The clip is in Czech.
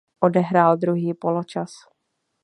Odehrál druhý poločas.